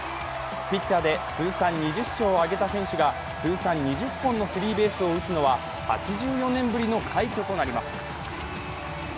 ピッチャーで通算２０勝を挙げた選手が通算２０本のスリーベースを打つのは８４年ぶりの快挙となります。